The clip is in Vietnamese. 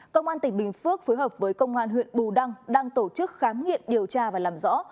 công an tỉnh bình phước phối hợp với công an huyện bù đăng đang tổ chức khám nghiệm điều tra và làm rõ